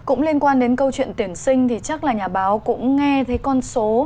cũng liên quan đến câu chuyện tuyển sinh thì chắc là nhà báo cũng nghe thấy con số